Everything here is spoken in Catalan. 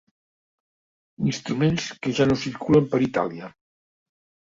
Instruments que ja no circulen per Itàlia.